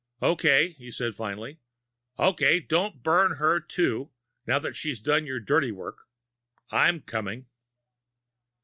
"Okay," he said finally. "Okay, don't burn her, too, now that she's done your dirty work. I'm coming."